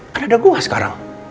kan ada gue sekarang